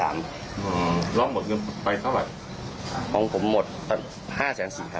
ล็อกหมดเงินไปเท่าไหร่ของผมหมดห้าแสนสี่ครับ